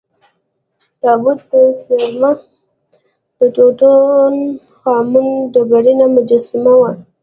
تابوت ته څېرمه د ټوټا ن خا مون ډبرینه مجسمه وه.